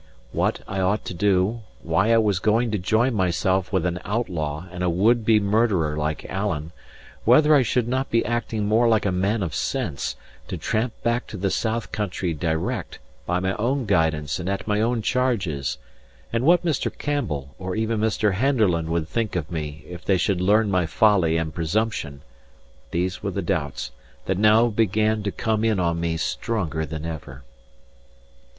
What I ought to do, why I was going to join myself with an outlaw and a would be murderer like Alan, whether I should not be acting more like a man of sense to tramp back to the south country direct, by my own guidance and at my own charges, and what Mr. Campbell or even Mr. Henderland would think of me if they should ever learn my folly and presumption: these were the doubts that now began to come in on me stronger than ever.